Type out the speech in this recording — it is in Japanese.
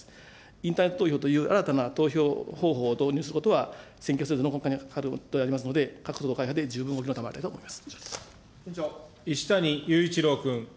インターネット投票という新たな投票方法を導入することは、選挙制度の根幹に関わることでありますので、各党各会派で十分ご一谷勇一郎君。